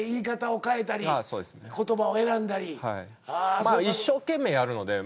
まあ一生懸命やるので。